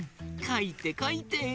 かいてかいて。